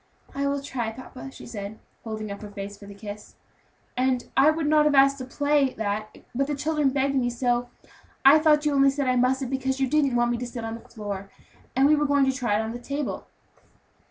"I will try, papa," she said, holding up her face for the kiss; "and I would not have asked to play that, but the children begged me so, and I thought you only said I mustn't, because you didn't want me to sit on the floor; and we were going to try it on the table."